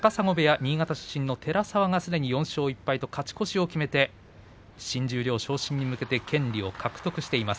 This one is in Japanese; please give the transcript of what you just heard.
新潟出身の寺沢がすでに４勝１敗と勝ち越しを決めて新十両昇進に向けて権利を獲得しています。